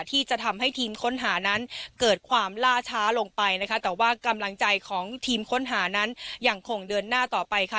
ที่จะทำให้ทีมค้นหานั้นเกิดความล่าช้าลงไปนะคะแต่ว่ากำลังใจของทีมค้นหานั้นยังคงเดินหน้าต่อไปค่ะ